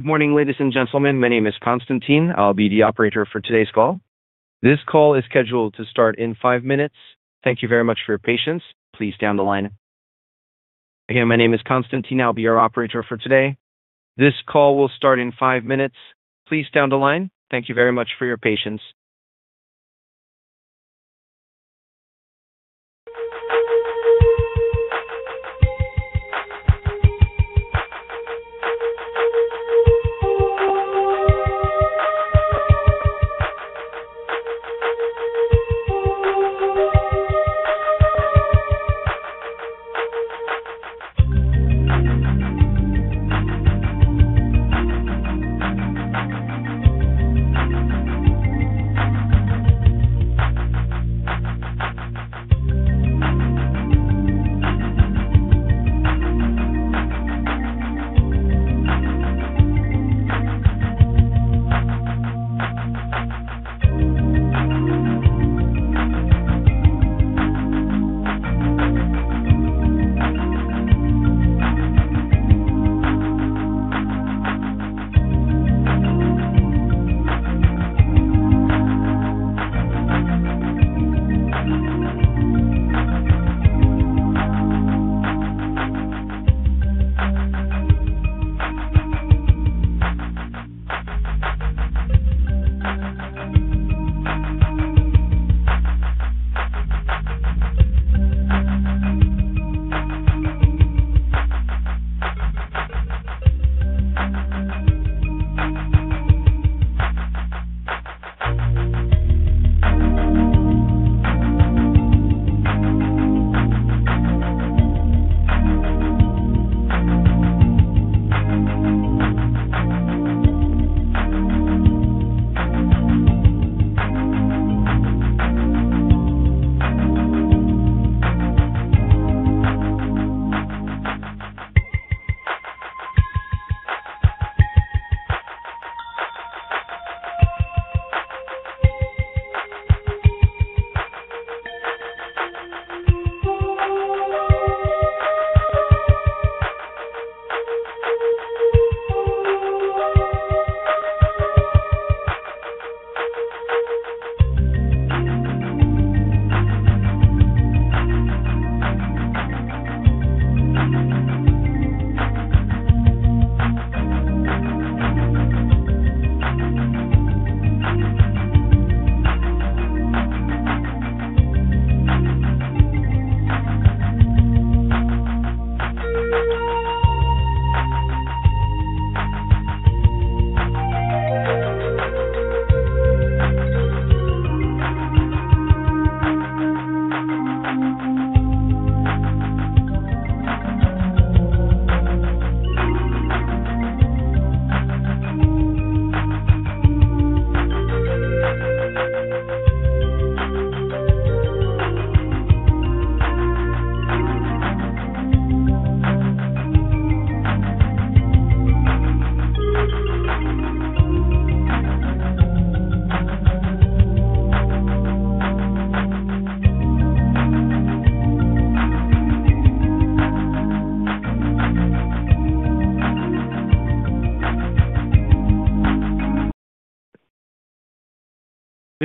Good morning, ladies and gentlemen. My name is Constantine. I'll be the operator for today's call. This call is scheduled to start in five minutes. Thank you very much for your patience. Please stay on the line. Again, my name is Constantine. I'll be your operator for today. This call will start in five minutes. Please stay on the line. Thank you very much for your patience.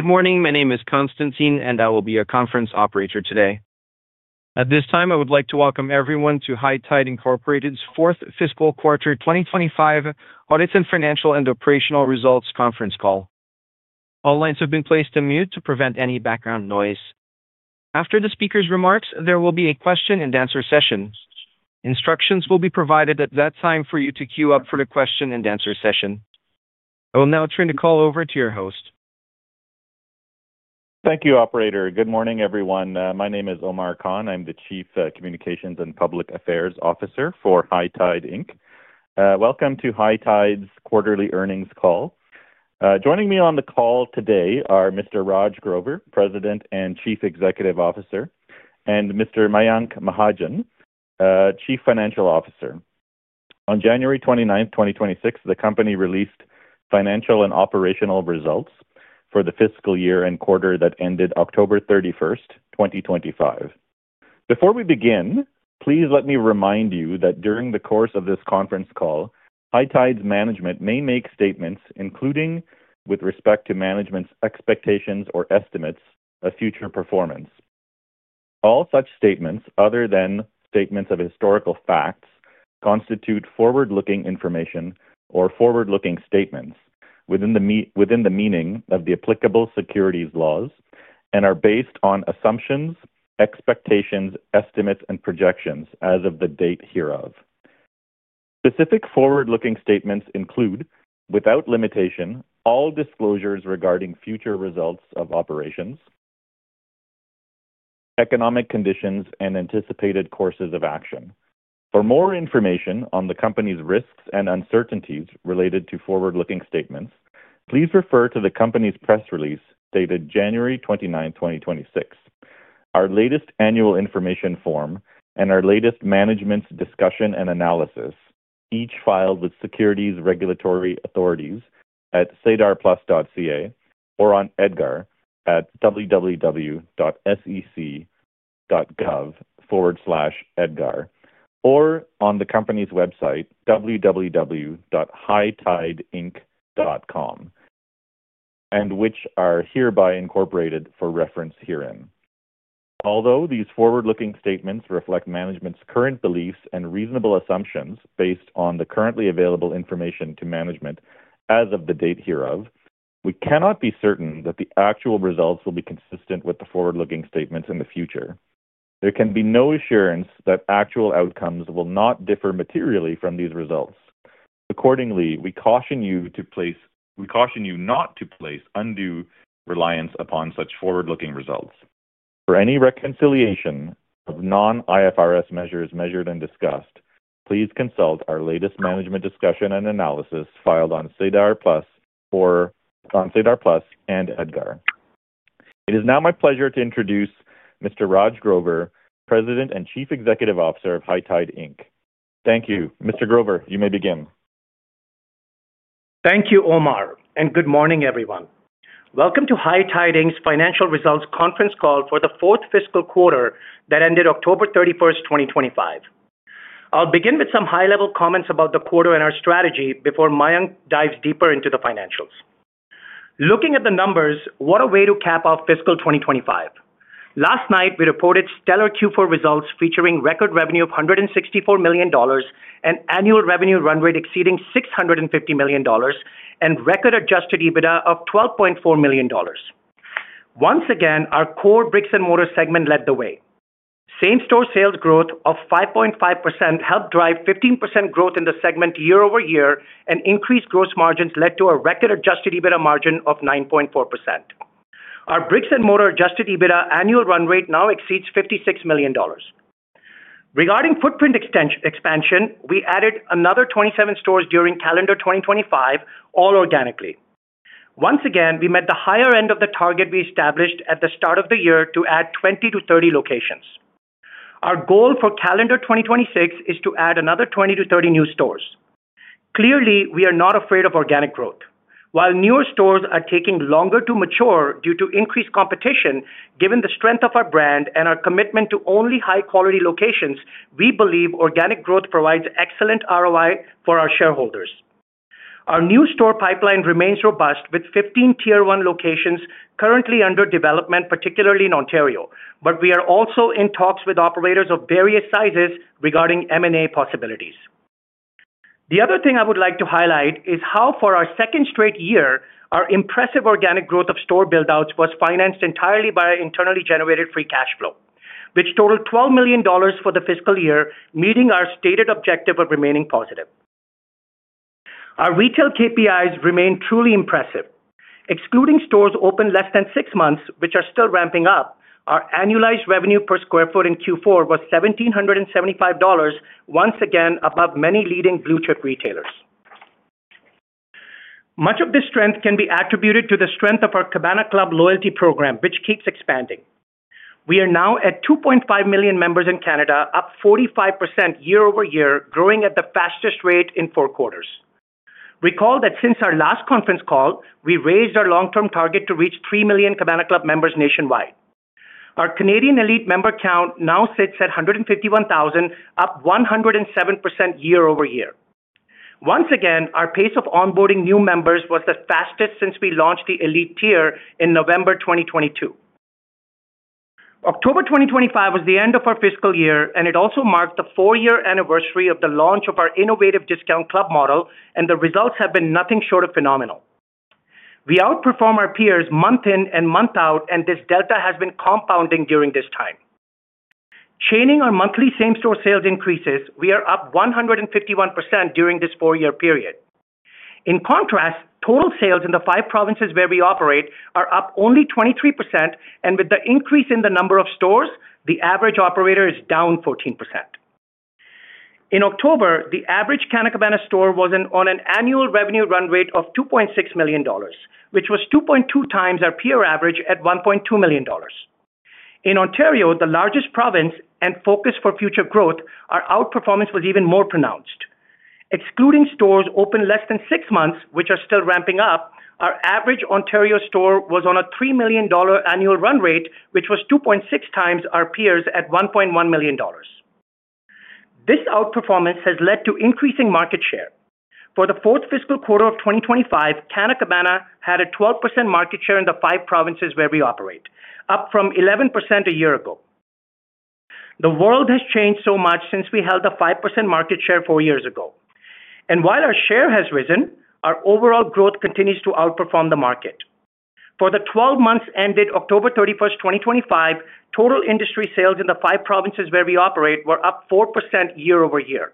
Good morning. My name is Constantine, and I will be your conference operator today. At this time, I would like to welcome everyone to High Tide Incorporated's fourth fiscal quarter 2025 Audit and Financial and Operational Results Conference Call. All lines have been placed on mute to prevent any background noise. After the speaker's remarks, there will be a question and answer session. Instructions will be provided at that time for you to queue up for the question and answer session. I will now turn the call over to your host. Thank you, operator. Good morning, everyone. My name is Omar Khan. I'm the Chief Communications and Public Affairs Officer for High Tide Inc. Welcome to High Tide's quarterly earnings call. Joining me on the call today are Mr. Raj Grover, President and Chief Executive Officer, and Mr. Mayank Mahajan, Chief Financial Officer. On January 29, 2026, the company released financial and operational results for the fiscal year and quarter that ended October 31, 2025. Before we begin, please let me remind you that during the course of this conference call, High Tide's management may make statements, including with respect to management's expectations or estimates of future performance. All such statements, other than statements of historical facts, constitute forward-looking information or forward-looking statements within the meaning of the applicable securities laws and are based on assumptions, expectations, estimates, and projections as of the date hereof. Specific forward-looking statements include, without limitation, all disclosures regarding future results of operations, economic conditions, and anticipated courses of action. For more information on the company's risks and uncertainties related to forward-looking statements, please refer to the company's press release dated January 29, 2026. Our latest annual information form and our latest management's discussion and analysis, each filed with securities regulatory authorities at sedarplus.ca or on EDGAR at www.sec.gov/edgar, or on the company's website, www.hightideinc.com, and which are hereby incorporated for reference herein. Although these forward-looking statements reflect management's current beliefs and reasonable assumptions based on the currently available information to management as of the date hereof, we cannot be certain that the actual results will be consistent with the forward-looking statements in the future. There can be no assurance that actual outcomes will not differ materially from these results. Accordingly, we caution you not to place undue reliance upon such forward-looking results. For any reconciliation of non-IFRS measures measured and discussed, please consult our latest management discussion and analysis filed on SEDAR+, or on SEDAR+ and EDGAR. It is now my pleasure to introduce Mr. Raj Grover, President and Chief Executive Officer of High Tide Inc. Thank you. Mr. Grover, you may begin. Thank you, Omar, and good morning, everyone. Welcome to High Tide Inc.'s Financial Results conference call for the fourth fiscal quarter that ended 31 October, 2025. I'll begin with some high-level comments about the quarter and our strategy before Mayank dives deeper into the financials. Looking at the numbers, what a way to cap off fiscal 2025! Last night, we reported stellar Q4 results, featuring record revenue of 164 million dollars, an annual revenue run rate exceeding 650 million dollars, and record Adjusted EBITDA of 12.4 million dollars. Once again, our core brick-and-mortar segment led the way. Same-Store Sales growth of 5.5% helped drive 15% growth in the segment year-over-year, and increased gross margins led to a record Adjusted EBITDA margin of 9.4%. Our brick-and-mortar adjusted EBITDA annual run rate now exceeds 56 million dollars. Regarding footprint expansion, we added another 27 stores during calendar 2025, all organically. Once again, we met the higher end of the target we established at the start of the year to add 20-30 locations. Our goal for calendar 2026 is to add another 20-30 new stores. Clearly, we are not afraid of organic growth. While newer stores are taking longer to mature due to increased competition, given the strength of our brand and our commitment to only high-quality locations, we believe organic growth provides excellent ROI for our shareholders. Our new store pipeline remains robust, with 15 Tier 1 locations currently under development, particularly in Ontario. But we are also in talks with operators of various sizes regarding M&A possibilities. The other thing I would like to highlight is how, for our second straight year, our impressive organic growth of store build-outs was financed entirely by internally generated Free Cash Flow, which totaled 12 million dollars for the fiscal year, meeting our stated objective of remaining positive. Our retail KPIs remain truly impressive. Excluding stores open less than six months, which are still ramping up, our annualized revenue per sq ft in Q4 was 1,775 dollars, once again above many leading blue-chip retailers. Much of this strength can be attributed to the strength of our Cabana Club loyalty program, which keeps expanding. We are now at 2.5 million members in Canada, up 45% year-over-year, growing at the fastest rate in four quarters. Recall that since our last conference call, we raised our long-term target to reach 3 million Cabana Club members nationwide. Our Canadian ELITE member count now sits at 151,000, up 107% year-over-year. Once again, our pace of onboarding new members was the fastest since we launched the ELITE tier in November 2022. October 2025 was the end of our fiscal year, and it also marked the four-year anniversary of the launch of our innovative discount club model, and the results have been nothing short of phenomenal. We outperform our peers month in and month out, and this delta has been compounding during this time. Chaining our monthly same-store sales increases, we are up 151% during this four year period. In contrast, total sales in the five provinces where we operate are up only 23%, and with the increase in the number of stores, the average operator is down 14%. In October, the average Canna Cabana store was on an annual revenue run rate of 2.6 million dollars, which was 2.2 times our peer average at 1.2 million dollars. In Ontario, the largest province and focus for future growth, our outperformance was even more pronounced. Excluding stores open less than six months, which are still ramping up, our average Ontario store was on a 3 million dollar annual run rate, which was 2.6 times our peers at 1.1 million dollars. This outperformance has led to increasing market share. For the fourth fiscal quarter of 2025, Canna Cabana had a 12% market share in the five provinces where we operate, up from 11% a year ago. The world has changed so much since we held a 5% market share four years ago, and while our share has risen, our overall growth continues to outperform the market. For the 12 months ended October 31st, 2025, total industry sales in the five provinces where we operate were up 4% year-over-year.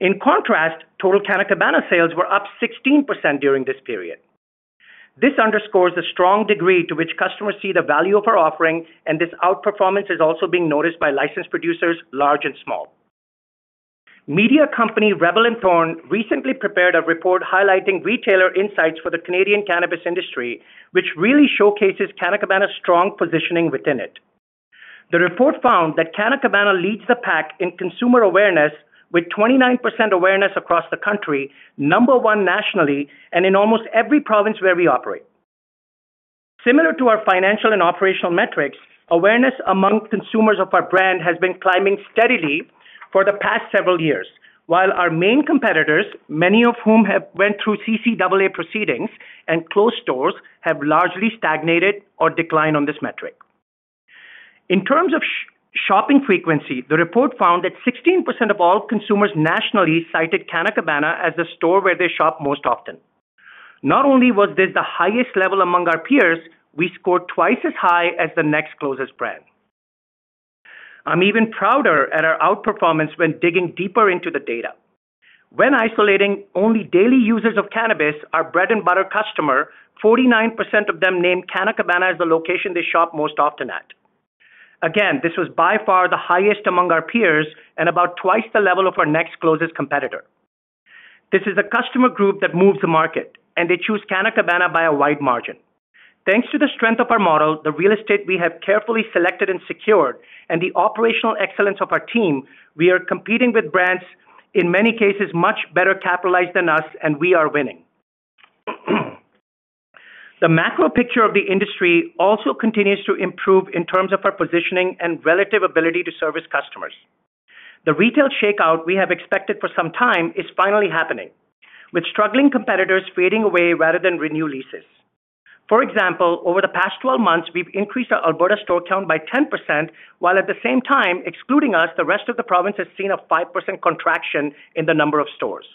In contrast, total Canna Cabana sales were up 16% during this period. This underscores the strong degree to which customers see the value of our offering, and this outperformance is also being noticed by licensed producers, large and small. Media company Rebel & Thorn recently prepared a report highlighting retailer insights for the Canadian cannabis industry, which really showcases Canna Cabana's strong positioning within it. The report found that Canna Cabana leads the pack in consumer awareness, with 29% awareness across the country, number one nationally, and in almost every province where we operate. Similar to our financial and operational metrics, awareness among consumers of our brand has been climbing steadily for the past several years, while our main competitors, many of whom have went through CCAA proceedings and closed stores, have largely stagnated or declined on this metric. In terms of shopping frequency, the report found that 16% of all consumers nationally cited Canna Cabana as a store where they shop most often. Not only was this the highest level among our peers, we scored twice as high as the next closest brand. I'm even prouder at our outperformance when digging deeper into the data. When isolating only daily users of cannabis, our bread-and-butter customer, 49% of them named Canna Cabana as the location they shop most often at. Again, this was by far the highest among our peers and about twice the level of our next closest competitor. This is a customer group that moves the market, and they choose Canna Cabana by a wide margin. Thanks to the strength of our model, the real estate we have carefully selected and secured, and the operational excellence of our team, we are competing with brands, in many cases, much better capitalized than us, and we are winning. The macro picture of the industry also continues to improve in terms of our positioning and relative ability to service customers. The retail shakeout we have expected for some time is finally happening, with struggling competitors fading away rather than renew leases. For example, over the past 12 months, we've increased our Alberta store count by 10%, while at the same time, excluding us, the rest of the province has seen a 5% contraction in the number of stores.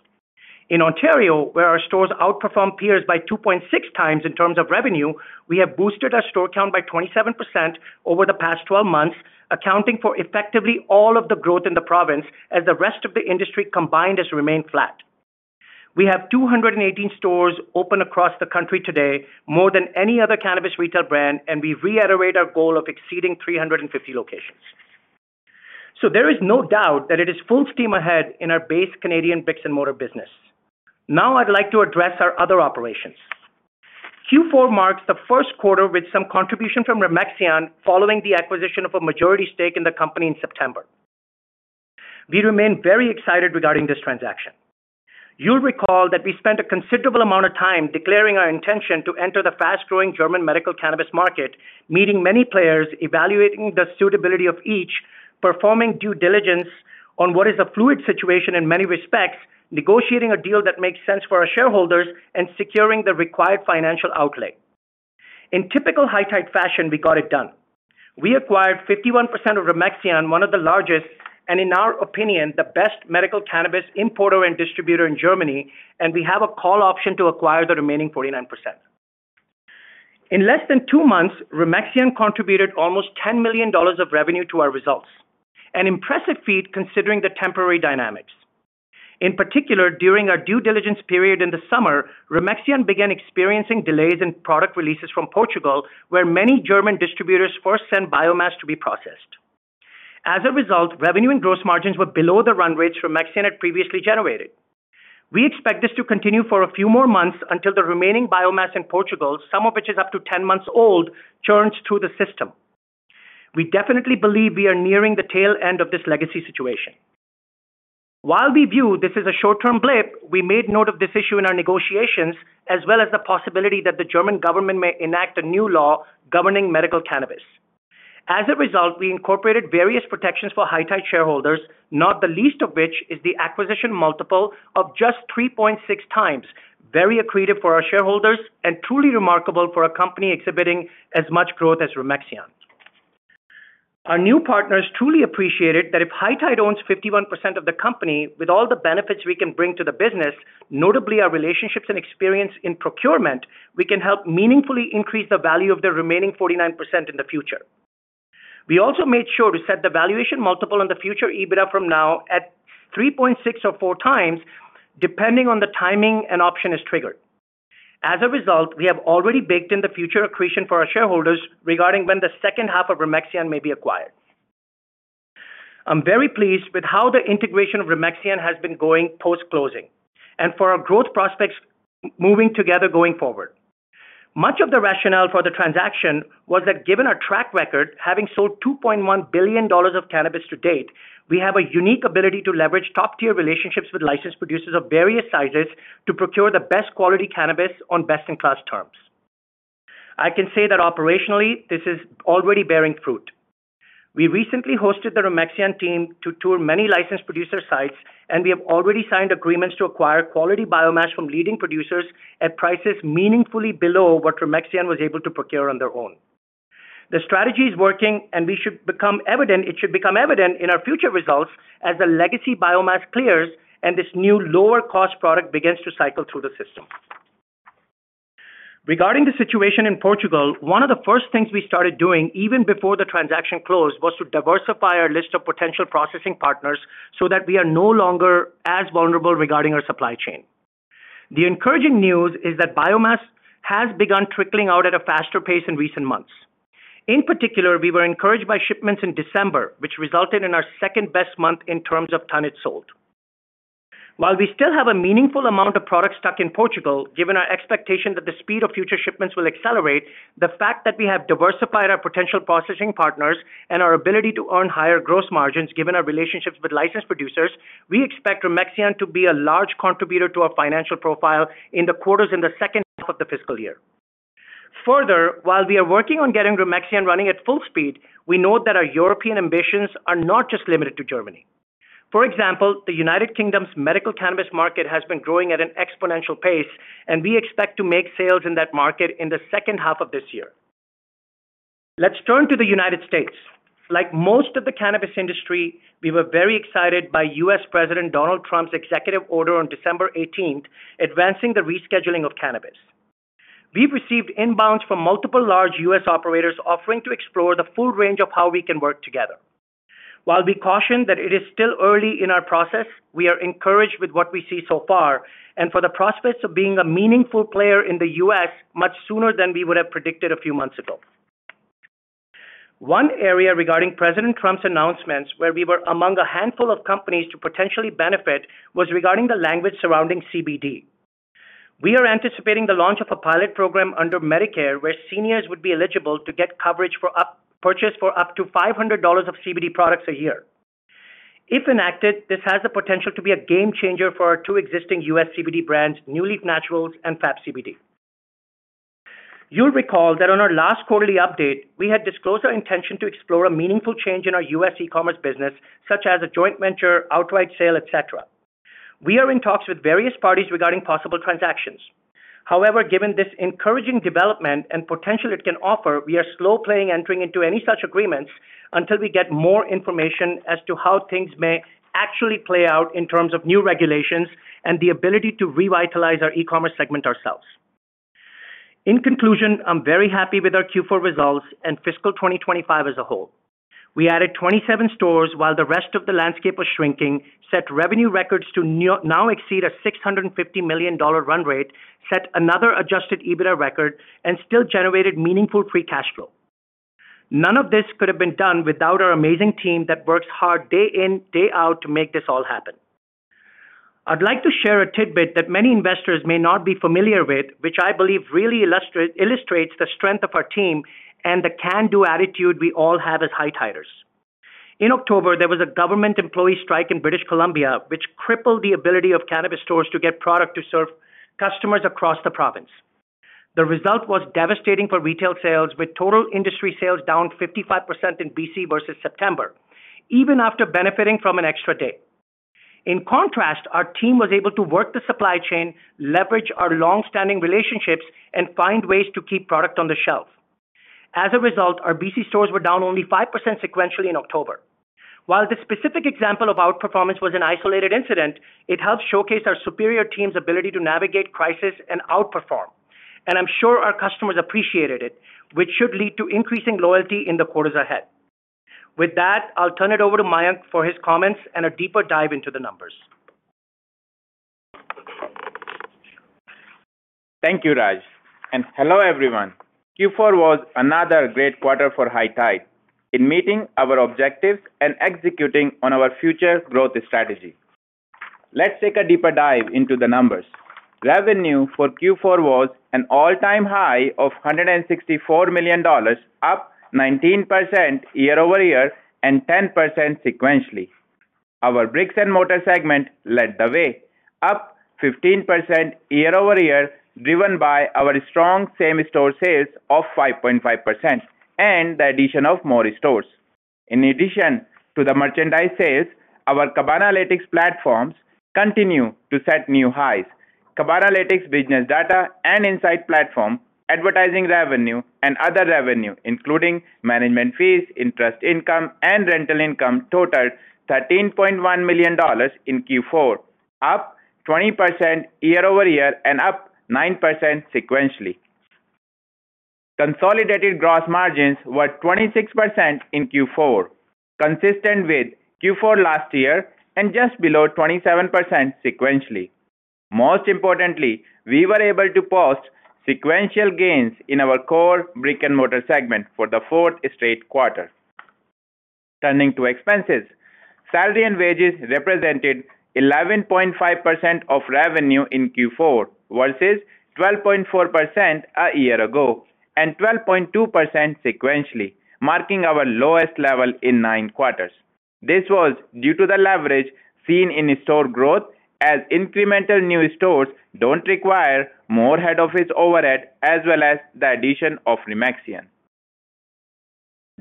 In Ontario, where our stores outperform peers by 2.6 times in terms of revenue, we have boosted our store count by 27% over the past 12 months, accounting for effectively all of the growth in the province, as the rest of the industry combined has remained flat. We have 218 stores open across the country today, more than any other cannabis retail brand, and we reiterate our goal of exceeding 350 locations. So there is no doubt that it is full steam ahead in our base Canadian brick-and-mortar business. Now I'd like to address our other operations. Q4 marks the first quarter with some contribution from Remaxion following the acquisition of a majority stake in the company in September. We remain very excited regarding this transaction. You'll recall that we spent a considerable amount of time declaring our intention to enter the fast-growing German medical cannabis market, meeting many players, evaluating the suitability of each, performing due diligence on what is a fluid situation in many respects, negotiating a deal that makes sense for our shareholders, and securing the required financial outlay. In typical High Tide fashion, we got it done. We acquired 51% of Remaxion, one of the largest, and in our opinion, the best medical cannabis importer and distributor in Germany, and we have a call option to acquire the remaining 49%. In less than two months, Remaxion contributed almost $10 million of revenue to our results, an impressive feat considering the temporary dynamics. In particular, during our due diligence period in the summer, Remaxion began experiencing delays in product releases from Portugal, where many German distributors first sent biomass to be processed. As a result, revenue and gross margins were below the run rates Remaxion had previously generated. We expect this to continue for a few more months until the remaining biomass in Portugal, some of which is up to 10 months old, churns through the system. We definitely believe we are nearing the tail end of this legacy situation. While we view this as a short-term blip, we made note of this issue in our negotiations, as well as the possibility that the German government may enact a new law governing medical cannabis. As a result, we incorporated various protections for High Tide shareholders, not the least of which is the acquisition multiple of just 3.6x, very accretive for our shareholders and truly remarkable for a company exhibiting as much growth as Remaxion. Our new partners truly appreciated that if High Tide owns 51% of the company, with all the benefits we can bring to the business, notably our relationships and experience in procurement, we can help meaningfully increase the value of the remaining 49% in the future. We also made sure to set the valuation multiple on the future EBITDA from now at 3.6x or 4x, depending on the timing and option is triggered. As a result, we have already baked in the future accretion for our shareholders regarding when the second half of Remaxion may be acquired. I'm very pleased with how the integration of Remaxion has been going post-closing, and for our growth prospects moving together going forward. Much of the rationale for the transaction was that given our track record, having sold $2.1 billion of cannabis to date, we have a unique ability to leverage top-tier relationships with licensed producers of various sizes to procure the best quality cannabis on best-in-class terms. I can say that operationally, this is already bearing fruit. We recently hosted the Remaxion team to tour many licensed producer sites, and we have already signed agreements to acquire quality biomass from leading producers at prices meaningfully below what Remaxion was able to procure on their own. The strategy is working, and it should become evident in our future results as the legacy biomass clears and this new lower-cost product begins to cycle through the system. Regarding the situation in Portugal, one of the first things we started doing even before the transaction closed, was to diversify our list of potential processing partners so that we are no longer as vulnerable regarding our supply chain. The encouraging news is that biomass has begun trickling out at a faster pace in recent months. In particular, we were encouraged by shipments in December, which resulted in our second-best month in terms of tonnage sold. While we still have a meaningful amount of product stuck in Portugal, given our expectation that the speed of future shipments will accelerate, the fact that we have diversified our potential processing partners and our ability to earn higher gross margins, given our relationships with licensed producers, we expect Remaxion to be a large contributor to our financial profile in the quarters in the second half of the fiscal year. Further, while we are working on getting Remaxion running at full speed, we know that our European ambitions are not just limited to Germany. For example, the United Kingdom's medical cannabis market has been growing at an exponential pace, and we expect to make sales in that market in the second half of this year. Let's turn to the United States. Like most of the cannabis industry, we were very excited by U.S. President Donald Trump's executive order on December eighteenth, advancing the rescheduling of cannabis. We've received inbounds from multiple large U.S. operators offering to explore the full range of how we can work together. While we caution that it is still early in our process, we are encouraged with what we see so far and for the prospects of being a meaningful player in the U.S. much sooner than we would have predicted a few months ago. One area regarding President Trump's announcements, where we were among a handful of companies to potentially benefit, was regarding the language surrounding CBD. We are anticipating the launch of a pilot program under Medicare, where seniors would be eligible to get coverage for purchase for up to $500 of CBD products a year. If enacted, this has the potential to be a game changer for our two existing U.S. CBD brands, NuLeaf Naturals and FAB CBD. You'll recall that on our last quarterly update, we had disclosed our intention to explore a meaningful change in our U.S. e-commerce business, such as a joint venture, outright sale, et cetera. We are in talks with various parties regarding possible transactions. However, given this encouraging development and potential it can offer, we are slow-playing entering into any such agreements until we get more information as to how things may actually play out in terms of new regulations and the ability to revitalize our e-commerce segment ourselves. In conclusion, I'm very happy with our Q4 results and fiscal 2025 as a whole. We added 27 stores while the rest of the landscape was shrinking, set revenue records now to exceed a 650 million dollar run rate, set another Adjusted EBITDA record, and still generated meaningful Free Cash Flow. None of this could have been done without our amazing team that works hard day in, day out to make this all happen. I'd like to share a tidbit that many investors may not be familiar with, which I believe really illustrates the strength of our team and the can-do attitude we all have as High Tiders. In October, there was a government employee strike in British Columbia, which crippled the ability of cannabis stores to get product to serve customers across the province. The result was devastating for retail sales, with total industry sales down 55% in BC versus September, even after benefiting from an extra day. In contrast, our team was able to work the supply chain, leverage our long-standing relationships, and find ways to keep product on the shelf. As a result, our BC stores were down only 5% sequentially in October. While this specific example of outperformance was an isolated incident, it helps showcase our superior team's ability to navigate crisis and outperform, and I'm sure our customers appreciated it, which should lead to increasing loyalty in the quarters ahead. With that, I'll turn it over to Mayank for his comments and a deeper dive into the numbers. Thank you, Raj, and hello, everyone. Q4 was another great quarter for High Tide in meeting our objectives and executing on our future growth strategy. Let's take a deeper dive into the numbers. Revenue for Q4 was an all-time high of 164 million dollars, up 19% year-over-year and 10% sequentially. Our brick-and-mortar segment led the way, up 15% year-over-year, driven by our strong same-store sales of 5.5% and the addition of more stores. In addition to the merchandise sales, our Cabanalytics platforms continue to set new highs. Cabanalytics' business data and insight platform, advertising revenue, and other revenue, including management fees, interest income, and rental income, totaled 13.1 million dollars in Q4, up 20% year-over-year and up 9% sequentially. Consolidated gross margins were 26% in Q4, consistent with Q4 last year and just below 27% sequentially. Most importantly, we were able to post sequential gains in our core brick-and-mortar segment for the fourth straight quarter. Turning to expenses, salary and wages represented 11.5% of revenue in Q4, versus 12.4% a year ago and 12.2% sequentially, marking our lowest level in nine quarters. This was due to the leverage seen in store growth, as incremental new stores don't require more head office overhead, as well as the addition of Remaxion.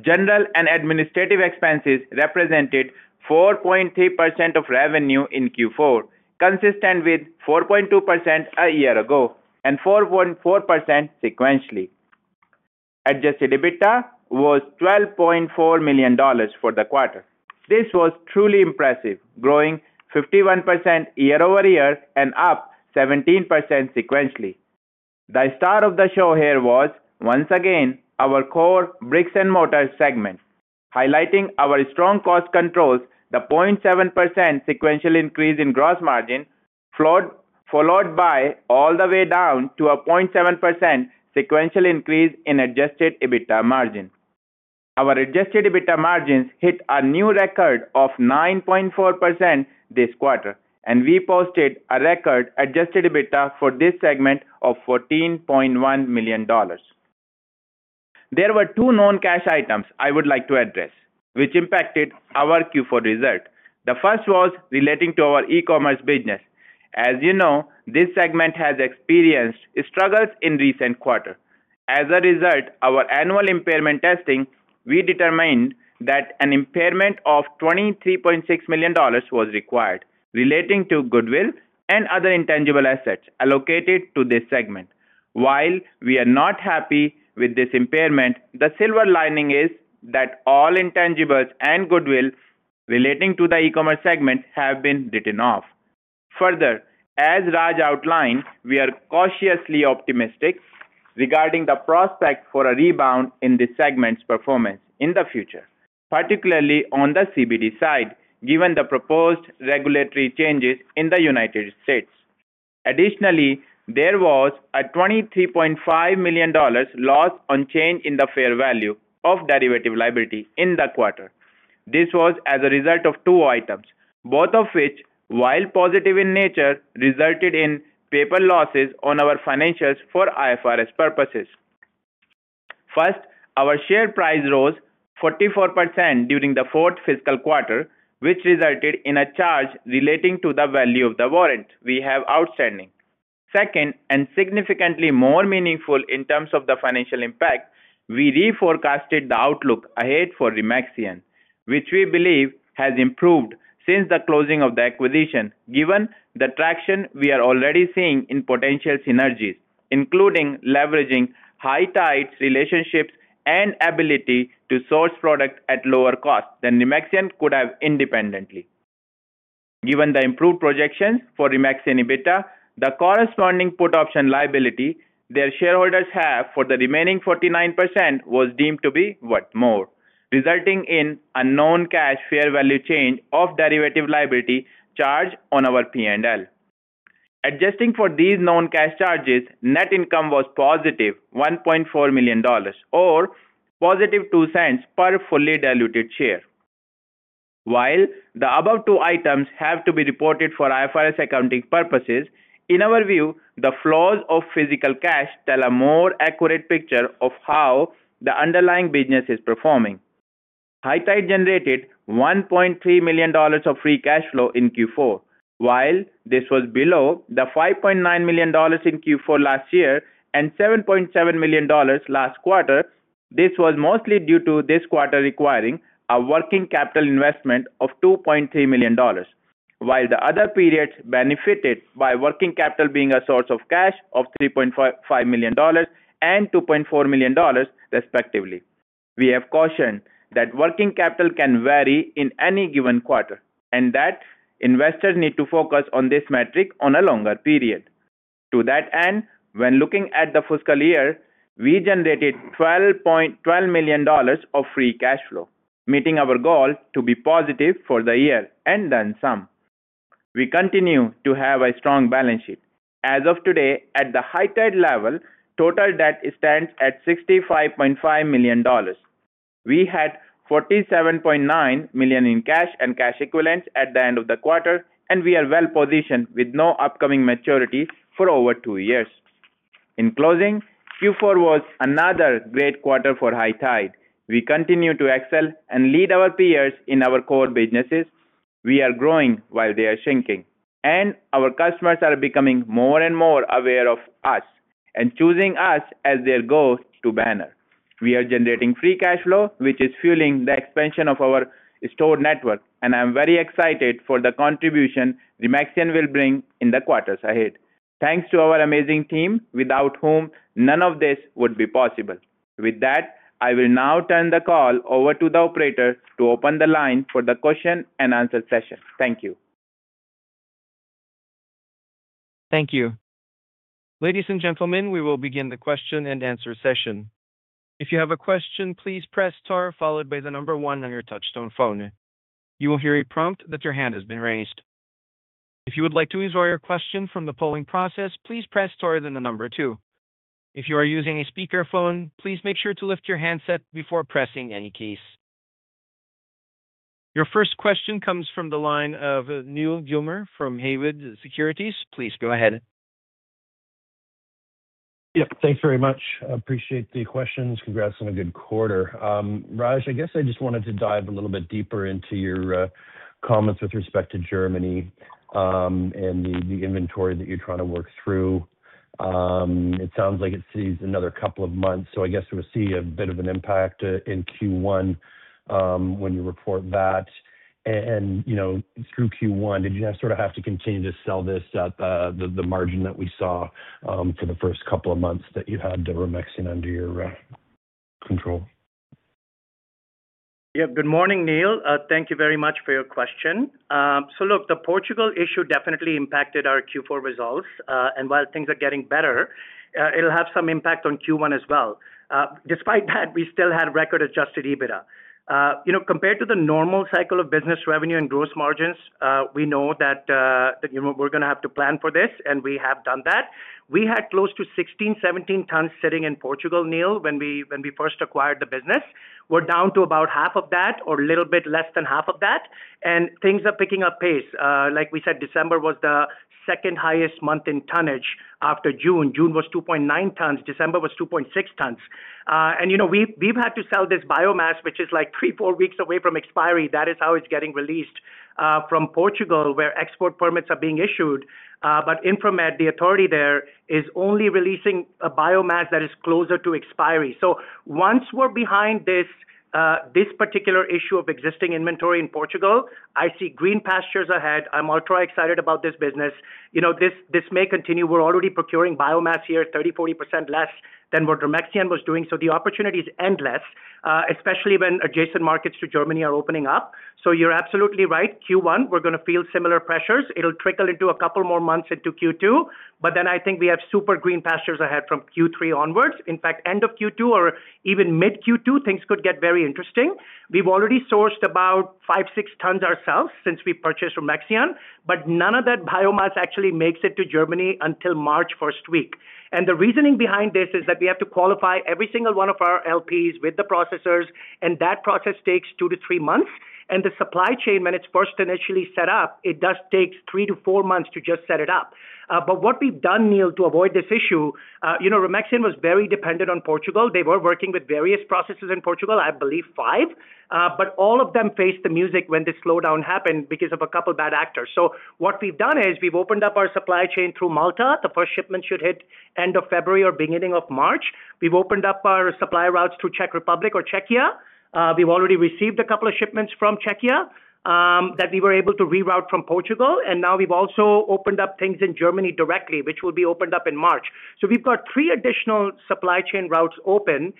General and administrative expenses represented 4.3% of revenue in Q4, consistent with 4.2% a year ago and 4.4% sequentially. Adjusted EBITDA was 12.4 million dollars for the quarter. This was truly impressive, growing 51% year-over-year and up 17% sequentially. The star of the show here was, once again, our core brick-and-mortar segment, highlighting our strong cost controls, the 0.7% sequential increase in gross margin, followed by all the way down to a 0.7% sequential increase in adjusted EBITDA margin. Our adjusted EBITDA margins hit a new record of 9.4% this quarter, and we posted a record adjusted EBITDA for this segment of 14.1 million dollars. There were two non-cash items I would like to address, which impacted our Q4 result. The first was relating to our e-commerce business. As you know, this segment has experienced struggles in recent quarter. As a result, our annual impairment testing, we determined that an impairment of 23.6 million dollars was required, relating to goodwill and other intangible assets allocated to this segment. While we are not happy with this impairment, the silver lining is that all intangibles and goodwill relating to the e-commerce segment have been written off. Further, as Raj outlined, we are cautiously optimistic regarding the prospect for a rebound in this segment's performance in the future, particularly on the CBD side, given the proposed regulatory changes in the United States. Additionally, there was a 23.5 million dollars loss on change in the fair value of derivative liability in the quarter. This was as a result of two items, both of which, while positive in nature, resulted in paper losses on our financials for IFRS purposes. First, our share price rose 44% during the fourth fiscal quarter, which resulted in a charge relating to the value of the warrant we have outstanding. Second, and significantly more meaningful in terms of the financial impact, we reforecasted the outlook ahead for Remaxion, which we believe has improved since the closing of the acquisition, given the traction we are already seeing in potential synergies, including leveraging High Tide's relationships, and ability to source product at lower cost than Remaxion could have independently. Given the improved projections for Remaxion EBITDA, the corresponding put option liability their shareholders have for the remaining 49% was deemed to be worth more, resulting in a non-cash fair value change of derivative liability charge on our P&L. Adjusting for these non-cash charges, net income was positive 1.4 million dollars or positive 0.02 per fully diluted share. While the above two items have to be reported for IFRS accounting purposes, in our view, the flows of physical cash tell a more accurate picture of how the underlying business is performing. High Tide generated 1.3 million dollars of Free Cash Flow in Q4. While this was below the 5.9 million dollars in Q4 last year and 7.7 million dollars last quarter, this was mostly due to this quarter requiring a Working Capital investment of 2.3 million dollars, while the other periods benefited by Working Capital being a source of cash of 3.55 million dollars and 2.4 million dollars, respectively. We have cautioned that Working Capital can vary in any given quarter and that investors need to focus on this metric on a longer period. To that end, when looking at the fiscal year, we generated 12.12 million dollars of Free Cash Flow, meeting our goal to be positive for the year and then some. We continue to have a strong balance sheet. As of today, at the High Tide level, total debt stands at 65.5 million dollars. We had 47.9 million in cash and cash equivalents at the end of the quarter, and we are well positioned with no upcoming maturities for over two years. In closing, Q4 was another great quarter for High Tide. We continue to excel and lead our peers in our core businesses. We are growing while they are shrinking, and our customers are becoming more and more aware of us and choosing us as their go-to banner. We are generating Free Cash Flow, which is fueling the expansion of our store network, and I'm very excited for the contribution Remaxion will bring in the quarters ahead. Thanks to our amazing team, without whom none of this would be possible. With that, I will now turn the call over to the operator to open the line for the question and answer session. Thank you. Thank you. Ladies and gentlemen, we will begin the question and answer session. If you have a question, please press star followed by one on your touchtone phone. You will hear a prompt that your hand has been raised. If you would like to withdraw your question from the polling process, please press star, then two. If you are using a speakerphone, please make sure to lift your handset before pressing any keys. Your first question comes from the line of Neil Gilmer from Haywood Securities. Please go ahead. Yep, thanks very much. I appreciate the questions. Congrats on a good quarter. Raj, I guess I just wanted to dive a little bit deeper into your comments with respect to Germany, and the inventory that you're trying to work through. It sounds like it sees another couple of months, so I guess we'll see a bit of an impact in Q1 when you report that. And, you know, through Q1, did you sort of have to continue to sell this at the margin that we saw for the first couple of months that you had the Remaxion under your control? Yeah. Good morning, Neil. Thank you very much for your question. So look, the Portugal issue definitely impacted our Q4 results, and while things are getting better, it'll have some impact on Q1 as well. Despite that, we still had record adjusted EBITDA. You know, compared to the normal cycle of business revenue and gross margins, we know that that, you know, we're gonna have to plan for this, and we have done that. We had close to 16-17 tons sitting in Portugal, Neil, when we first acquired the business. ...We're down to about half of that or a little bit less than half of that, and things are picking up pace. Like we said, December was the second highest month in tonnage after June. June was 2.9 tons. December was 2.6 tons. And, you know, we've had to sell this biomass, which is like three, four weeks away from expiry. That is how it's getting released from Portugal, where export permits are being issued. But Infarmed, the authority there, is only releasing a biomass that is closer to expiry. So once we're behind this particular issue of existing inventory in Portugal, I see green pastures ahead. I'm ultra excited about this business. You know, this may continue. We're already procuring biomass here, 30%-40% less than what Remaxion was doing. The opportunity is endless, especially when adjacent markets to Germany are opening up. So you're absolutely right. Q1, we're gonna feel similar pressures. It'll trickle into a couple more months into Q2, but then I think we have super green pastures ahead from Q3 onwards. In fact, end of Q2 or even mid-Q2, things could get very interesting. We've already sourced about 5-6 tons ourselves since we purchased Remaxion, but none of that biomass actually makes it to Germany until the first week of March. And the reasoning behind this is that we have to qualify every single one of our LPs with the processors, and that process takes two to three months. And the supply chain, when it's first initially set up, it does take three to four months to just set it up. But what we've done, Neil, to avoid this issue, you know, Remaxion was very dependent on Portugal. They were working with various processors in Portugal, I believe five, but all of them faced the music when this slowdown happened because of a couple bad actors. So what we've done is we've opened up our supply chain through Malta. The first shipment should hit end of February or beginning of March. We've opened up our supply routes to Czech Republic or Czechia. We've already received a couple of shipments from Czechia, that we were able to reroute from Portugal, and now we've also opened up things in Germany directly, which will be opened up in March. So we've got three additional supply chain routes open.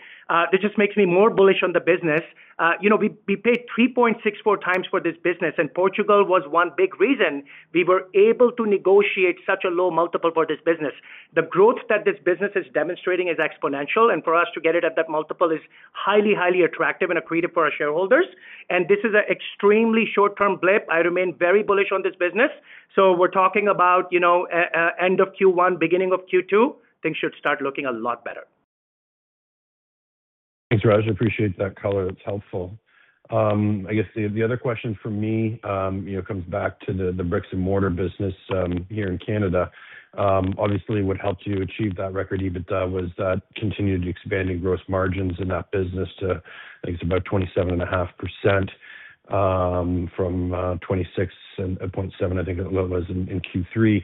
This just makes me more bullish on the business. You know, we paid 3.64x for this business, and Portugal was one big reason we were able to negotiate such a low multiple for this business. The growth that this business is demonstrating is exponential, and for us to get it at that multiple is highly, highly attractive and accretive for our shareholders, and this is an extremely short-term blip. I remain very bullish on this business. So we're talking about, you know, end of Q1, beginning of Q2, things should start looking a lot better. Thanks, Raj. I appreciate that color. That's helpful. I guess the other question from me, you know, comes back to the brick-and-mortar business here in Canada. Obviously, what helped you achieve that record EBITDA was that continued expanding gross margins in that business to, I think, 27.5%, from 26.7%, I think the level was in Q3.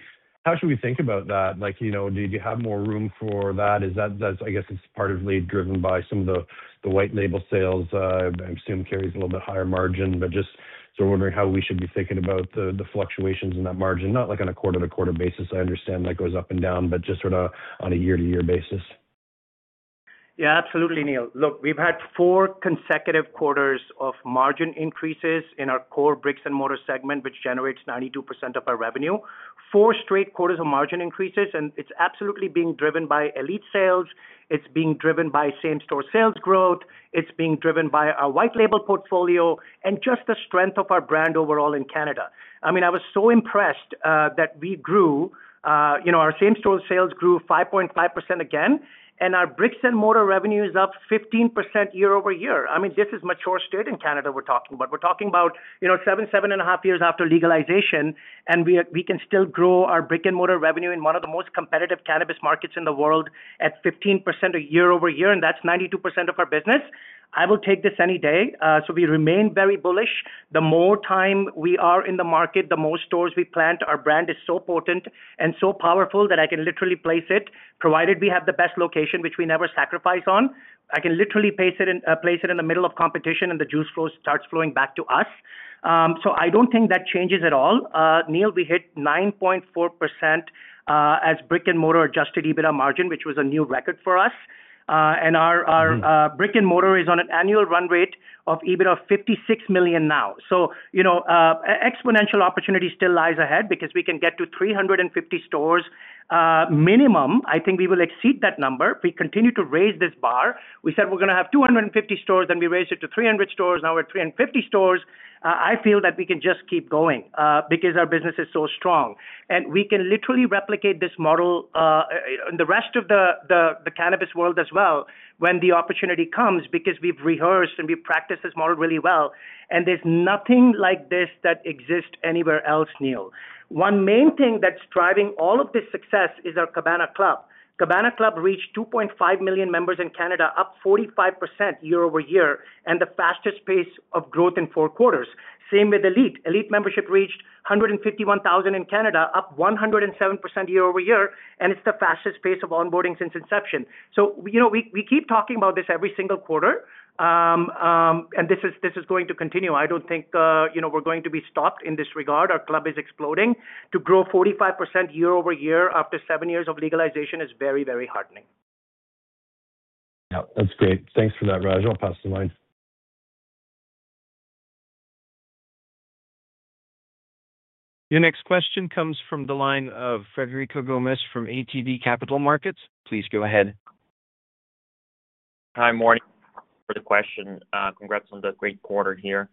How should we think about that? Like, you know, do you have more room for that? Is that- that's I guess, it's partly driven by some of the white label sales, I assume carries a little bit higher margin, but just so wondering how we should be thinking about the fluctuations in that margin? Not like on a quarter-to-quarter basis. I understand that goes up and down, but just sort of on a year-to-year basis. Yeah, absolutely, Neil. Look, we've had four consecutive quarters of margin increases in our core brick-and-mortar segment, which generates 92% of our revenue. Four straight quarters of margin increases, and it's absolutely being driven by ELITE sales, it's being driven by same-store sales growth, it's being driven by our white label portfolio and just the strength of our brand overall in Canada. I mean, I was so impressed, that we grew, you know, our same-store sales grew 5.5% again, and our brick-and-mortar revenue is up 15% year-over-year. I mean, this is mature state in Canada we're talking about. We're talking about, you know, seven, seven and half years after legalization, and we are, we can still grow our brick-and-mortar revenue in one of the most competitive cannabis markets in the world at 15% a year-over-year, and that's 92% of our business. I will take this any day. So we remain very bullish. The more time we are in the market, the more stores we plant. Our brand is so potent and so powerful that I can literally place it, provided we have the best location, which we never sacrifice on. I can literally place it in the middle of competition and the juice flow starts flowing back to us. So I don't think that changes at all. Neil, we hit 9.4% as brick-and-mortar Adjusted EBITDA margin, which was a new record for us. And our brick-and-mortar is on an annual run rate of EBITDA of 56 million now. So, you know, exponential opportunity still lies ahead because we can get to 350 stores, minimum. I think we will exceed that number. We continue to raise this bar. We said we're gonna have 250 stores, then we raised it to 300 stores. Now we're at 350 stores. I feel that we can just keep going because our business is so strong. We can literally replicate this model in the rest of the cannabis world as well when the opportunity comes, because we've rehearsed and we've practiced this model really well, and there's nothing like this that exists anywhere else, Neil. One main thing that's driving all of this success is our Cabana Club. Cabana Club reached 2.5 million members in Canada, up 45% year-over-year, and the fastest pace of growth in four quarters. Same with ELITE. ELITE membership reached 151,000 in Canada, up 107% year-over-year, and it's the fastest pace of onboarding since inception. So you know, we keep talking about this every single quarter, and this is going to continue. I don't think, you know, we're going to be stopped in this regard. Our club is exploding. To grow 45% year-over-year after seven years of legalization is very, very heartening. Yeah, that's great. Thanks for that, Raj. I'll pass the line. Your next question comes from the line of Frederico Gomes from ATB Capital Markets. Please go ahead. Hi, morning. For the question, congrats on the great quarter here.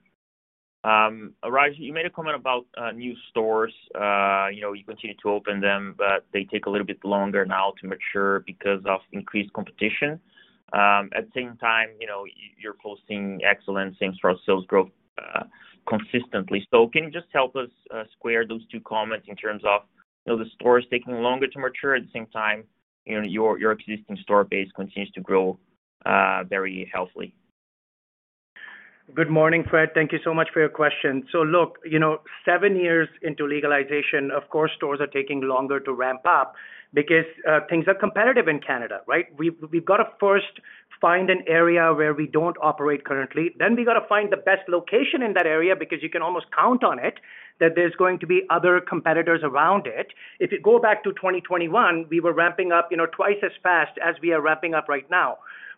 Raj, you made a comment about new stores. You know, you continue to open them, but they take a little bit longer now to mature because of increased competition. At the same time, you know, you're posting excellent same-store sales growth consistently. So can you just help us square those two comments in terms of, you know, the stores taking longer to mature, at the same time, you know, your existing store base continues to grow very healthily? Good morning, Fred. Thank you so much for your question. So look, you know, seven years into legalization, of course, stores are taking longer to ramp up because things are competitive in Canada, right? We've got to first find an area where we don't operate currently, then we gotta find the best location in that area, because you can almost count on it, that there's going to be other competitors around it. If you go back to 2021, we were ramping up, you know, twice as fast as we are ramping up right now.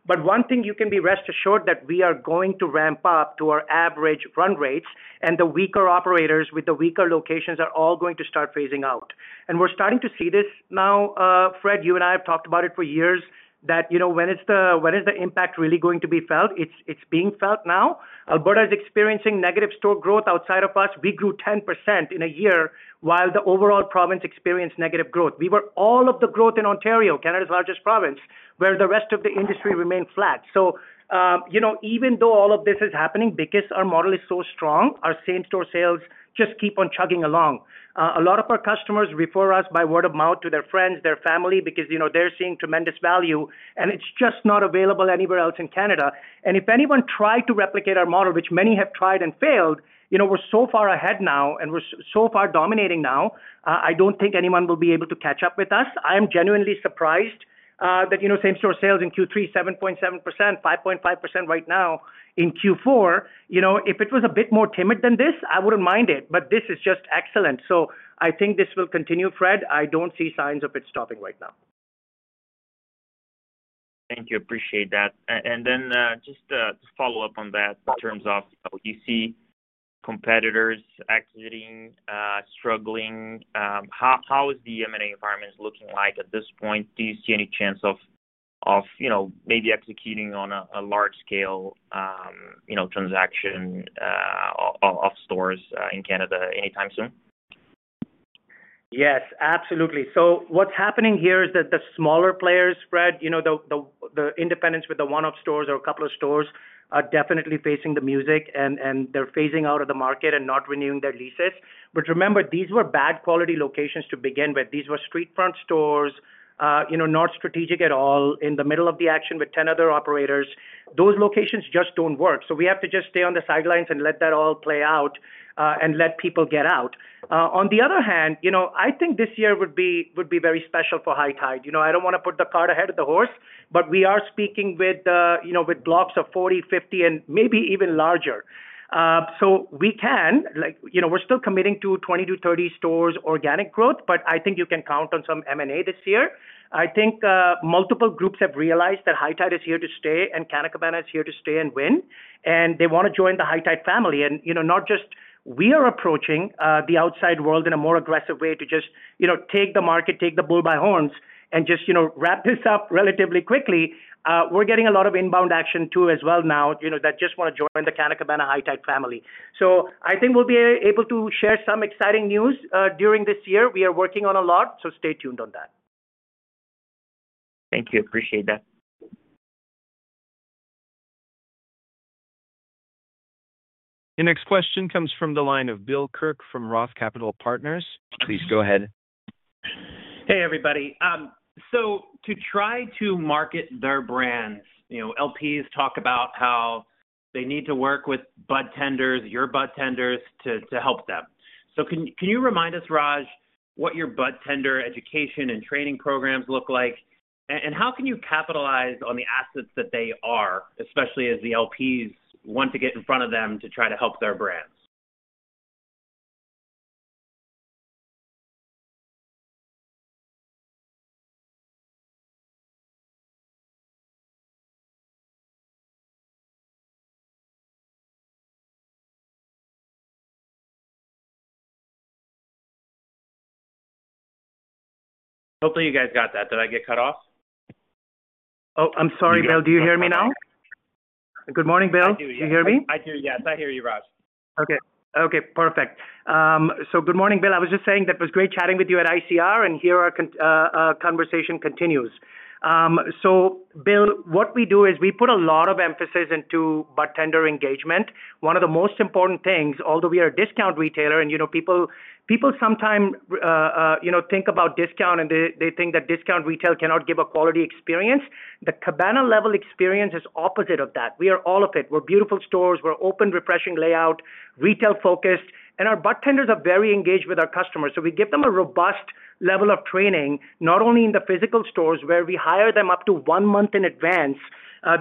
But one thing you can be rest assured that we are going to ramp up to our average run rates, and the weaker operators with the weaker locations are all going to start phasing out. And we're starting to see this now, Fred, you and I have talked about it for years, that, you know, when is the impact really going to be felt? It's, it's being felt now. Alberta is experiencing negative store growth outside of us. We grew 10% in a year, while the overall province experienced negative growth. We were all of the growth in Ontario, Canada's largest province, where the rest of the industry remained flat. So, you know, even though all of this is happening, because our model is so strong, our same-store sales just keep on chugging along. A lot of our customers refer us by word of mouth to their friends, their family, because, you know, they're seeing tremendous value, and it's just not available anywhere else in Canada. If anyone tried to replicate our model, which many have tried and failed, you know, we're so far ahead now, and we're so far dominating now, I don't think anyone will be able to catch up with us. I am genuinely surprised that, you know, same store sales in Q3, 7.7%, 5.5% right now in Q4. You know, if it was a bit more timid than this, I wouldn't mind it, but this is just excellent. So I think this will continue, Fred. I don't see signs of it stopping right now. Thank you. Appreciate that. And then, just to follow up on that, in terms of, do you see competitors exiting, struggling? How is the M&A environment looking like at this point? Do you see any chance of, you know, maybe executing on a large scale, you know, transaction of stores in Canada anytime soon? Yes, absolutely. So what's happening here is that the smaller players, Fred, you know, the independents with the one-off stores or a couple of stores, are definitely facing the music, and they're phasing out of the market and not renewing their leases. But remember, these were bad quality locations to begin with. These were street front stores, you know, not strategic at all, in the middle of the action with 10 other operators. Those locations just don't work. So we have to just stay on the sidelines and let that all play out, and let people get out. On the other hand, you know, I think this year would be very special for High Tide. You know, I don't want to put the cart ahead of the horse, but we are speaking with, you know, with blocks of 40, 50, and maybe even larger. So we can like, you know, we're still committing to 20-30 stores organic growth, but I think you can count on some M&A this year. I think multiple groups have realized that High Tide is here to stay, and Canna Cabana is here to stay and win, and they want to join the High Tide family. And, you know, not just we are approaching the outside world in a more aggressive way to just, you know, take the market, take the bull by horns and just, you know, wrap this up relatively quickly. We're getting a lot of inbound action, too, as well now, you know, that just want to join the Canna Cabana, High Tide family. So I think we'll be able to share some exciting news during this year. We are working on a lot, so stay tuned on that. Thank you. Appreciate that. The next question comes from the line of Bill Kirk from ROTH Capital Partners. Please go ahead. Hey, everybody. So to try to market their brands, you know, LPs talk about how they need to work with budtenders, your budtenders, to help them. So can you remind us, Raj, what your budtender education and training programs look like? And how can you capitalize on the assets that they are, especially as the LPs want to get in front of them to try to help their brands? Hopefully, you guys got that. Did I get cut off? Oh, I'm sorry, Bill. Do you hear me now? Good morning, Bill. I do, yeah. Do you hear me? I do. Yes, I hear you, Raj. Okay. Okay, perfect. So good morning, Bill. I was just saying that it was great chatting with you at ICR, and here our conversation continues. So Bill, what we do is we put a lot of emphasis into budtender engagement. One of the most important things, although we are a discount retailer and, you know, people sometimes, you know, think about discount and they think that discount retail cannot give a quality experience. The Cabana level experience is opposite of that. We are all of it. We're beautiful stores, we're open, refreshing layout, retail focused, and our budtenders are very engaged with our customers. So we give them a robust level of training, not only in the physical stores, where we hire them up to one month in advance,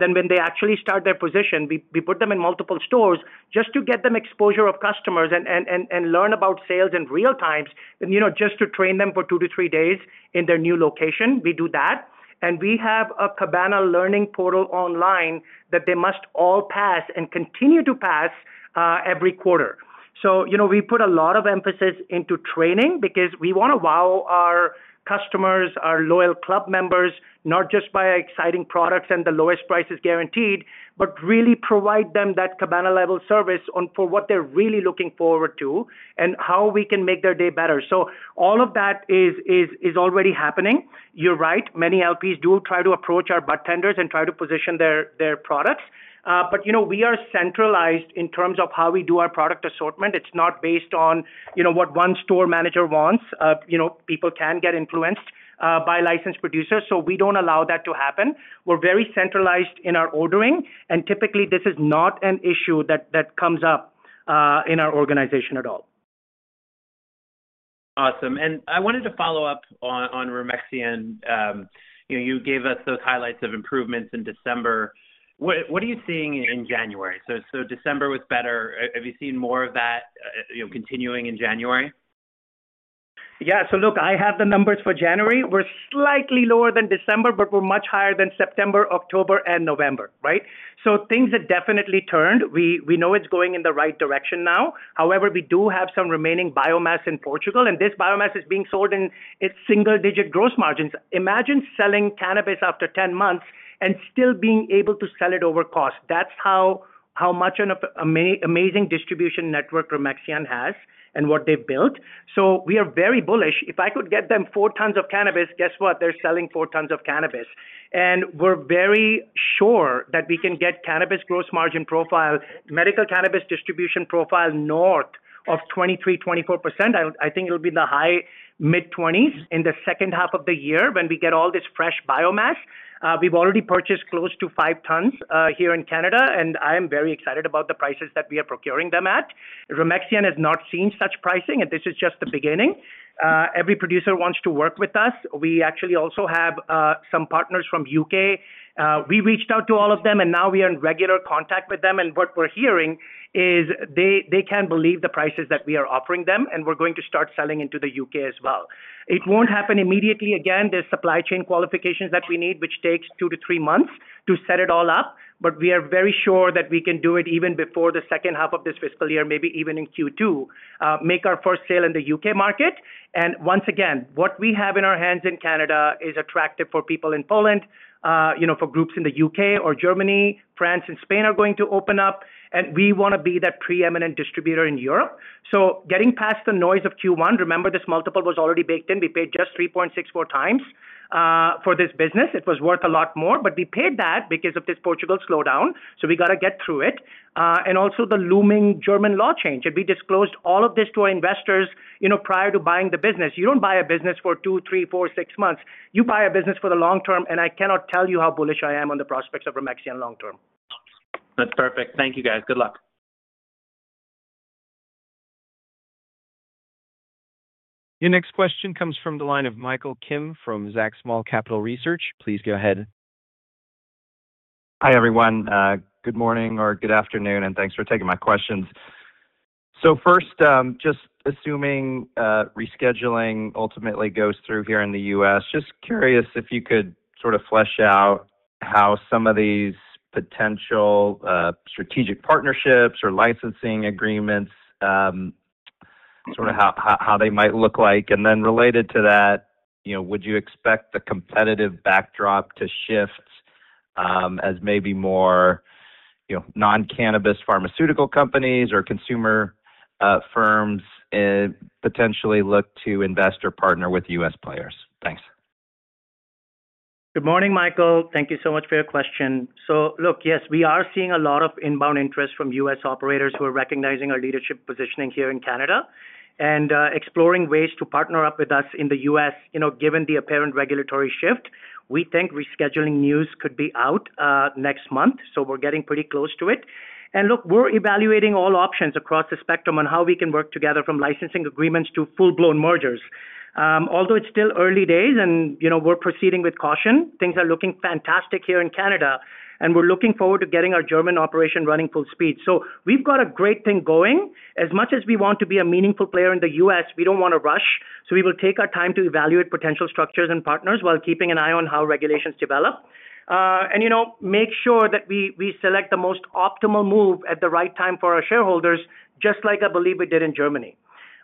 than when they actually start their position. We put them in multiple stores just to get them exposure to customers and learn about sales in real time, then, you know, just to train them for two to three days in their new location. We do that, and we have a Cabana learning portal online that they must all pass and continue to pass every quarter. So, you know, we put a lot of emphasis into training because we wanna wow our customers, our loyal club members, not just by exciting products and the lowest prices guaranteed, but really provide them that Cabana-level service and for what they're really looking forward to and how we can make their day better. So all of that is already happening. You're right, many LPs do try to approach our budtenders and try to position their products. But you know, we are centralized in terms of how we do our product assortment. It's not based on, you know, what one store manager wants. You know, people can get influenced by licensed producers, so we don't allow that to happen. We're very centralized in our ordering, and typically, this is not an issue that comes up in our organization at all. Awesome. And I wanted to follow up on Remaxion. You know, you gave us those highlights of improvements in December. What are you seeing in January? So December was better. Have you seen more of that, you know, continuing in January? Yeah. So look, I have the numbers for January. We're slightly lower than December, but we're much higher than September, October, and November, right? So things have definitely turned. We know it's going in the right direction now. However, we do have some remaining biomass in Portugal, and this biomass is being sold in its single-digit gross margins. Imagine selling cannabis after 10 months and still being able to sell it over cost. That's how amazing a distribution network Remaxion has and what they've built. So we are very bullish. If I could get them 4 tons of cannabis, guess what? They're selling 4 tons of cannabis. And we're very sure that we can get cannabis gross margin profile, medical cannabis distribution profile, north of 23%-24%. I think it'll be in the high mid-20s in the second half of the year when we get all this fresh biomass. We've already purchased close to 5 tons here in Canada, and I am very excited about the prices that we are procuring them at. Remaxion has not seen such pricing, and this is just the beginning. Every producer wants to work with us. We actually also have some partners from UK. We reached out to all of them, and now we are in regular contact with them, and what we're hearing is they, they can't believe the prices that we are offering them, and we're going to start selling into the UK as well. It won't happen immediately. Again, there's supply chain qualifications that we need, which takes two to three months to set it all up. But we are very sure that we can do it even before the second half of this fiscal year, maybe even in Q2, make our first sale in the UK market. And once again, what we have in our hands in Canada is attractive for people in Poland, you know, for groups in the UK or Germany. France and Spain are going to open up, and we wanna be that preeminent distributor in Europe. So getting past the noise of Q1, remember, this multiple was already baked in. We paid just 3.64 times for this business. It was worth a lot more, but we paid that because of this Portugal slowdown, so we gotta get through it. And also the looming German law change, and we disclosed all of this to our investors, you know, prior to buying the business. You don't buy a business for two, three, four, six months. You buy a business for the long term, and I cannot tell you how bullish I am on the prospects of Remaxion long term. That's perfect. Thank you, guys. Good luck. Your next question comes from the line of Michael Kim from Zacks Small Cap Research. Please go ahead. Hi, everyone. Good morning or good afternoon, and thanks for taking my questions. So first, just assuming rescheduling ultimately goes through here in the U.S., just curious if you could sort of flesh out how some of these potential strategic partnerships or licensing agreements sort of how they might look like. And then related to that, you know, would you expect the competitive backdrop to shift as maybe more, you know, non-cannabis pharmaceutical companies or consumer firms potentially look to invest or partner with U.S. players? Thanks. Good morning, Michael. Thank you so much for your question. So look, yes, we are seeing a lot of inbound interest from U.S. operators who are recognizing our leadership positioning here in Canada, and exploring ways to partner up with us in the U.S., you know, given the apparent regulatory shift. We think rescheduling news could be out next month, so we're getting pretty close to it. And look, we're evaluating all options across the spectrum on how we can work together from licensing agreements to full-blown mergers. Although it's still early days and, you know, we're proceeding with caution, things are looking fantastic here in Canada, and we're looking forward to getting our German operation running full speed. So we've got a great thing going. As much as we want to be a meaningful player in the U.S., we don't wanna rush, so we will take our time to evaluate potential structures and partners while keeping an eye on how regulations develop. And you know, make sure that we select the most optimal move at the right time for our shareholders, just like I believe we did in Germany.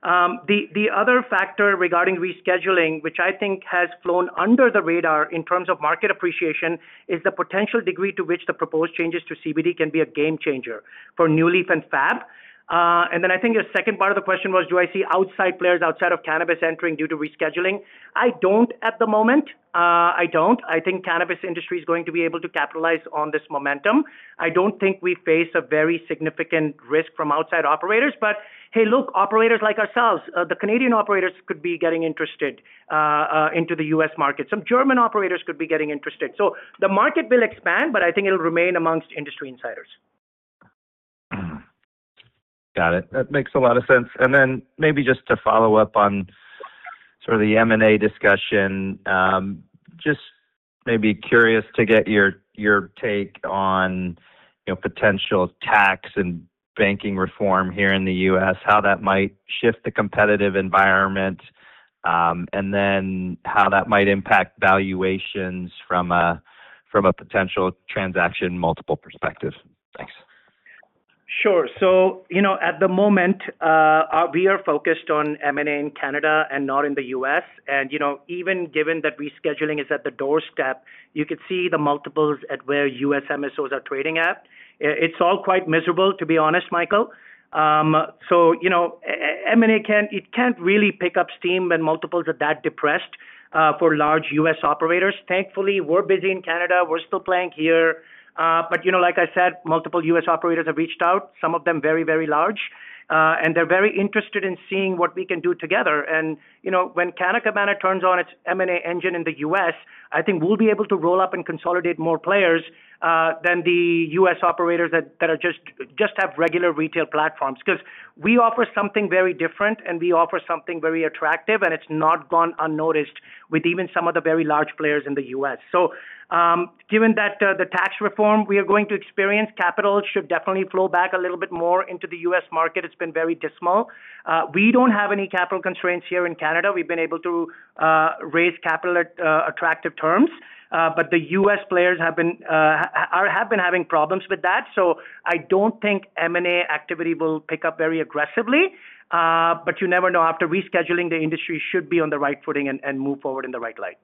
The other factor regarding rescheduling, which I think has flown under the radar in terms of market appreciation, is the potential degree to which the proposed changes to CBD can be a game changer for NuLeaf and FAB. And then I think the second part of the question was, do I see outside players outside of cannabis entering due to rescheduling? I don't at the moment. I don't. I think cannabis industry is going to be able to capitalize on this momentum. I don't think we face a very significant risk from outside operators. But hey, look, operators like ourselves, the Canadian operators could be getting interested into the U.S. market. Some German operators could be getting interested. So the market will expand, but I think it'll remain amongst industry insiders. Got it. That makes a lot of sense. Maybe just to follow up on sort of the M&A discussion, just maybe curious to get your, your take on, you know, potential tax and banking reform here in the U.S., how that might shift the competitive environment, and then how that might impact valuations from a... from a potential transaction multiple perspective? Thanks. Sure. So, you know, at the moment, we are focused on M&A in Canada and not in the U.S., And, you know, even given that rescheduling is at the doorstep, you could see the multiples at where U.S. MSOs are trading at. It's all quite miserable, to be honest, Michael. So, you know, M&A can't, it can't really pick up steam when multiples are that depressed, for large U.S. operators. Thankfully, we're busy in Canada. We're still playing here. But you know, like I said, multiple U.S. operators have reached out, some of them very, very large. And they're very interested in seeing what we can do together. And, you know, when Canna Cabana turns on its M&A engine in the U.S., I think we'll be able to roll up and consolidate more players than the U.S. operators that are just have regular retail platforms. Because we offer something very different, and we offer something very attractive, and it's not gone unnoticed with even some of the very large players in the U.S. So, given that, the tax reform we are going to experience, capital should definitely flow back a little bit more into the U.S. market. It's been very dismal. We don't have any capital constraints here in Canada. We've been able to raise capital at attractive terms, but the U.S. players have been having problems with that. So I don't think M&A activity will pick up very aggressively, but you never know. After rescheduling, the industry should be on the right footing and move forward in the right light.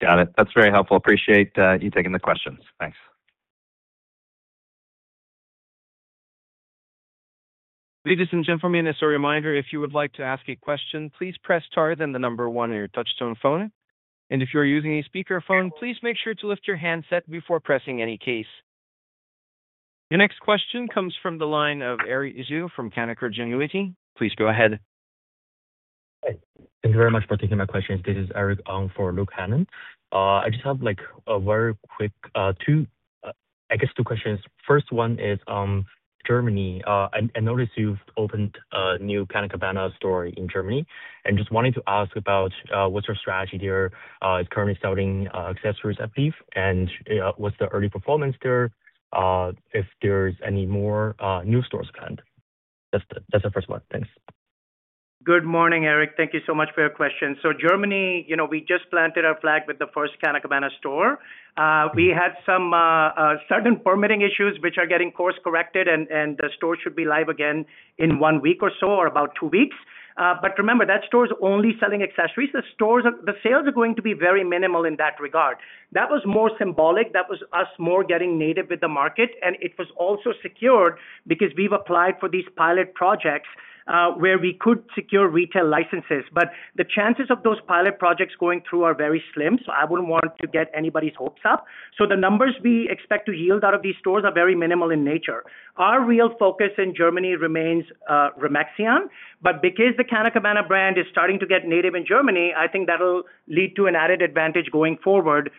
Got it. That's very helpful. Appreciate, you taking the questions. Thanks. Ladies and gentlemen, as a reminder, if you would like to ask a question, please press star, then the number one on your touchtone phone. If you're using a speakerphone, please make sure to lift your handset before pressing any keys. The next question comes from the line of Eric Xu from Canaccord Genuity. Please go ahead. Thank you very much for taking my questions. This is Eric, on for Luke Hannan. I just have, like, a very quick two, I guess two questions. First one is on Germany. I noticed you've opened a new Canna Cabana store in Germany, and just wanted to ask about what's your strategy there? It's currently selling accessories, I believe, and what's the early performance there? If there's any more new stores planned. That's the, that's the first one. Thanks. Good morning, Eric. Thank you so much for your question. So Germany, you know, we just planted our flag with the first Canna Cabana store. We had some certain permitting issues which are getting course-corrected, and the store should be live again in one week or so, or about two weeks. But remember, that store is only selling accessories. The stores... The sales are going to be very minimal in that regard. That was more symbolic. That was us more getting native with the market, and it was also secured because we've applied for these pilot projects, where we could secure retail licenses. But the chances of those pilot projects going through are very slim, so I wouldn't want to get anybody's hopes up. So the numbers we expect to yield out of these stores are very minimal in nature. Our real focus in Germany remains Remaxion, but because the Canna Cabana brand is starting to get native in Germany, I think that'll lead to an added advantage going forward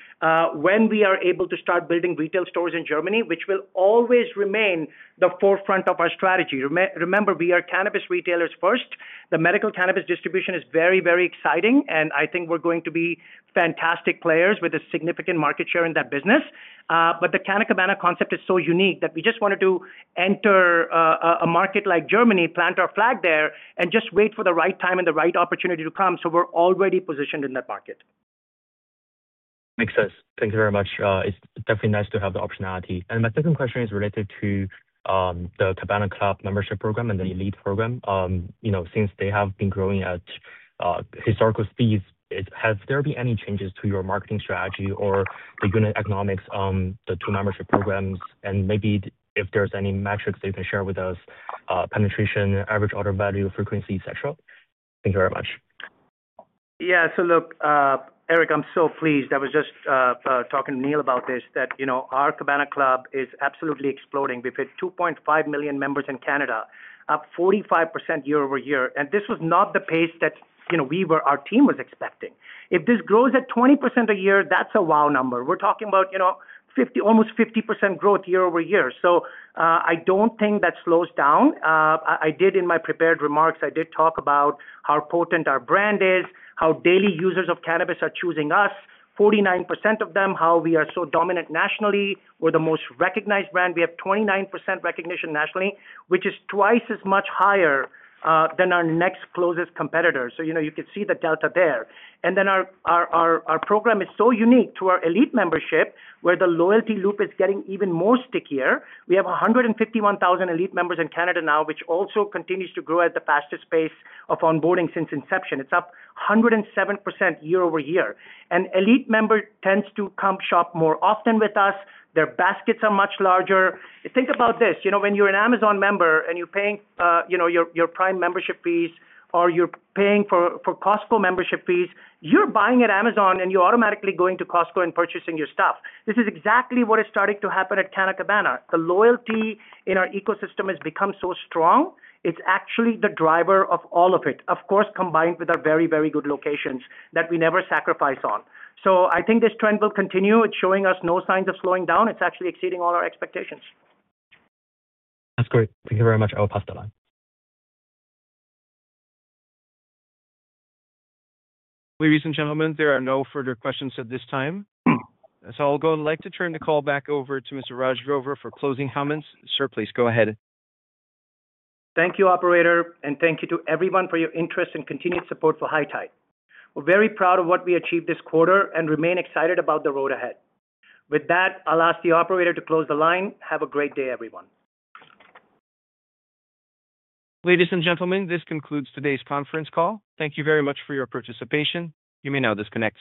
when we are able to start building retail stores in Germany, which will always remain the forefront of our strategy. Remember, we are cannabis retailers first. The medical cannabis distribution is very, very exciting, and I think we're going to be fantastic players with a significant market share in that business. But the Canna Cabana concept is so unique that we just wanted to enter a market like Germany, plant our flag there, and just wait for the right time and the right opportunity to come, so we're already positioned in that market. Makes sense. Thank you very much. It's definitely nice to have the optionality. And my second question is related to the Cabana Club membership program and the ELITE program. You know, since they have been growing at historical speeds, has there been any changes to your marketing strategy or the unit economics on the two membership programs? And maybe if there's any metrics that you can share with us, penetration, average order value, frequency, et cetera. Thank you very much. Yeah. So look, Eric, I'm so pleased. I was just talking to Neil about this, that, you know, our Cabana Club is absolutely exploding. We've hit 2.5 million members in Canada, up 45% year-over-year, and this was not the pace that, you know, we were, our team was expecting. If this grows at 20% a year, that's a wow number. We're talking about, you know, 50%, almost 50% growth year-over-year. So, I don't think that slows down. I did in my prepared remarks, I did talk about how potent our brand is, how daily users of cannabis are choosing us, 49% of them, how we are so dominant nationally. We're the most recognized brand. We have 29% recognition nationally, which is twice as much higher than our next closest competitor. So, you know, you can see the delta there. And then our program is so unique to our ELITE membership, where the loyalty loop is getting even more stickier. We have 151,000 ELITE members in Canada now, which also continues to grow at the fastest pace of onboarding since inception. It's up 107% year-over-year. An ELITE member tends to come shop more often with us. Their baskets are much larger. Think about this, you know, when you're an Amazon member and you're paying, you know, your Prime membership fees, or you're paying for Costco membership fees, you're buying at Amazon, and you're automatically going to Costco and purchasing your stuff. This is exactly what is starting to happen at Canna Cabana. The loyalty in our ecosystem has become so strong, it's actually the driver of all of it. Of course, combined with our very, very good locations that we never sacrifice on. I think this trend will continue. It's showing us no signs of slowing down. It's actually exceeding all our expectations. That's great. Thank you very much. I will pass the line. Ladies and gentlemen, there are no further questions at this time. So I'll go and like to turn the call back over to Mr. Raj Grover for closing comments. Sir, please go ahead. Thank you, operator, and thank you to everyone for your interest and continued support for High Tide. We're very proud of what we achieved this quarter and remain excited about the road ahead. With that, I'll ask the operator to close the line. Have a great day, everyone. Ladies and gentlemen, this concludes today's conference call. Thank you very much for your participation. You may now disconnect.